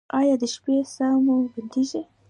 ایا د شپې ساه مو بندیږي؟